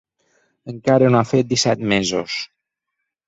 Encara no ha fet disset mesos.